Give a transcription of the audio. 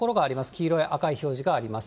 黄色や赤い表示があります。